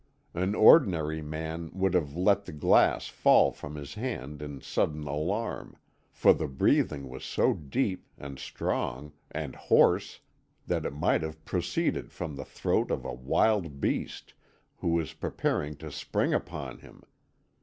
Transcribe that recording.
An ordinary man would have let the glass fall from his hand in sudden alarm, for the breathing was so deep, and strong, and hoarse, that it might have proceeded from the throat of a wild beast who was preparing to spring upon him.